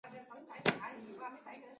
浙江象山县吴公开科之墓